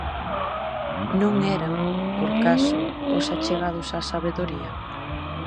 Non eran, por caso, os achegados á sabedoría?